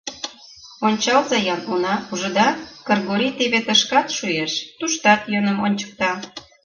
Ончалза-ян, уна, ужыда, Кыргорий теве тышкат шуэш, туштат йӧным ончыкта.